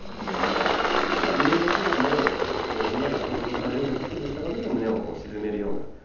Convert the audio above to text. それから胸の方も胸が強調されるんじゃなくてどちらかというと胸を沈めるような。